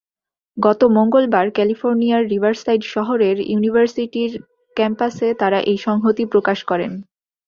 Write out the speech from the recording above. গত মঙ্গলবার ক্যালিফোর্নিয়ার রিভারসাইড শহরের ইউনিভার্সিটির ক্যাম্পাসে তাঁরা এই সংহতি প্রকাশ করেন।